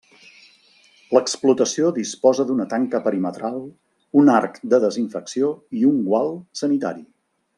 L'explotació disposa d'una tanca perimetral, un arc de desinfecció i un gual sanitari.